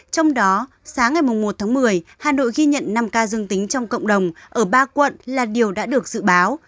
trong đó sáng ngày một tháng một mươi hà nội ghi nhận năm ca dương tính trong cộng đồng ở ba quận là điều đã được dự báo